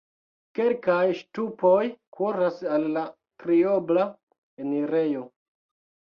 Kelkaj ŝtupoj kuras al la triobla enirejo.